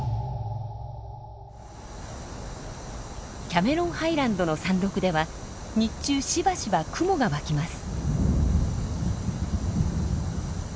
キャメロンハイランドの山麓では日中しばしば雲が湧きます。